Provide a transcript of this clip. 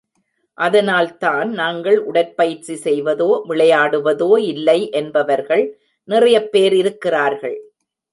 அதனால் தான் நாங்கள் உடற்பயிற்சி செய்வதோ விளையாடுவதோ இல்லை என்பவர்கள் நிறையபேர் இருக்கிறார்கள்.